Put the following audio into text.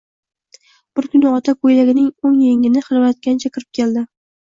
bir kuni ota ko`ylagining o`ng engini hilviratgancha kirib keldi